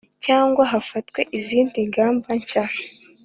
Cyangwa hafatwe izindi ngamba nshya.